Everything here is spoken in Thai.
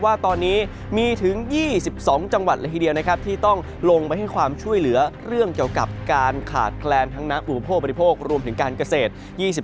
ว่าตอนนี้มีถึง๒๒จังหวัดละทีเดียวนะครับที่ต้องลงไปให้ความช่วยเหลือเรื่องเกี่ยวกับการขาดแคลนทั้งนักอุปโภคบริโภครวมถึงการเกษตร